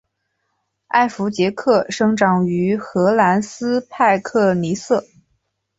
艾佛杰克生长于荷兰斯派克尼瑟。